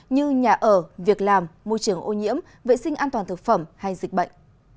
như nhà ở việc làm môi trường ô nhiễm vệ sinh an toàn thực phẩm hay dịch bệnh